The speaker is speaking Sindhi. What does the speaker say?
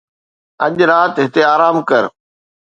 اڄ رات هتي آرام ڪر